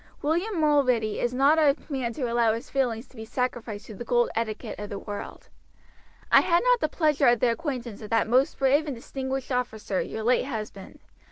William Mulready is not a man to allow his feelings to be sacrificed to the cold etiquette of the world. I had not the pleasure of the acquaintance of that most brave and distinguished officer your late husband.